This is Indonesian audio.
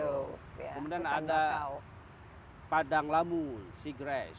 kemudian ada padang lamu sea grass